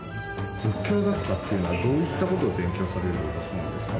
仏教学科っていうのはどういった事を勉強される学科なんですか？